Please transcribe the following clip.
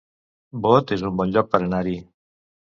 Bot es un bon lloc per anar-hi